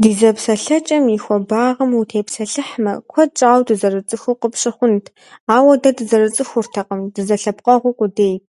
Ди зэпсэлъэкӏэм и хуэбагъым утепсэлъыхьмэ, куэд щӏауэ дызэрыцӏыхуу къыпщыхъунт, ауэ дэ дызэрыцӏыхуртэкъым дызэлъэпкъэгъу къудейт.